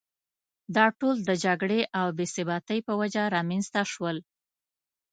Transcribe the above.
دا ټول د جګړې او بې ثباتۍ په وجه رامېنځته شول.